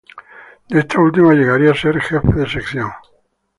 De esta última llegaría a ser Jefe de sección.